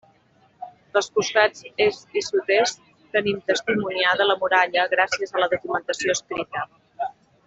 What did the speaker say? Dels costats est i sud-est, tenim testimoniada la muralla gràcies a la documentació escrita.